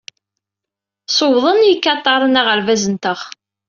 Sewḍen yikataren aɣerbaz-nteɣ.